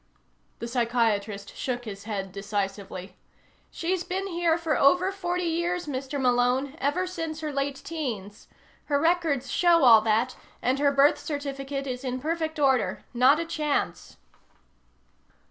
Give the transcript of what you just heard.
The psychiatrist shook his head decisively. "She's been here for over forty years, Mr. Malone, ever since her late teens. Her records show all that, and her birth certificate is in perfect order. Not a chance."